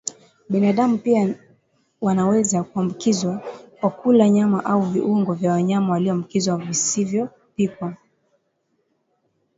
Binadamu pia wanaweza kuambukizwa kwa kula nyama au viungo vya wanyama walioambukizwa visivyopikwa